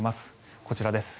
こちらです。